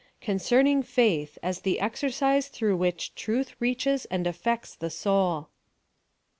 CONCERNING FAITH, AS THK KXPIRCISE THROlfJH WHICH TRUTH REACHES AND AFFECTS THE S3UL.